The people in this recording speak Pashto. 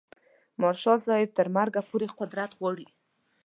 مارشال صاحب تر مرګه پورې قدرت غواړي.